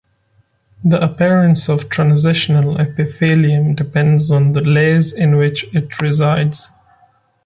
The appearance of transitional epithelium depends on the layers in which it resides.